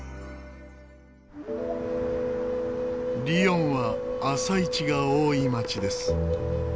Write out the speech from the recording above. リヨンは朝市が多い街です。